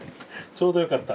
ちょうどよかった。